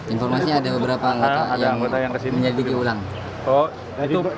informasinya ada beberapa yang menjadi ulang